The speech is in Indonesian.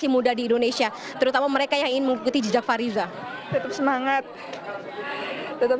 muda di indonesia terutama mereka yang ingin mengikuti jejak fariza tetap semangat tetap